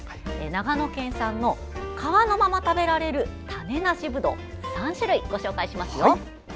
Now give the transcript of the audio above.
長野県産の皮のまま食べられる種無しブドウ３種類ご紹介します。